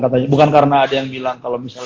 katanya bukan karena ada yang bilang kalau misalnya